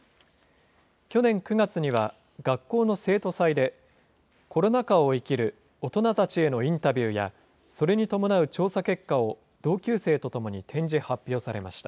去年９月には、学校の生徒祭で、コロナ禍を生きる大人たちへのインタビューや、それに伴う調査結果を同級生と共に展示、発表されました。